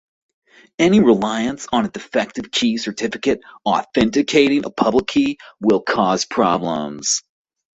Any reliance on a defective key certificate 'authenticating' a public key will cause problems.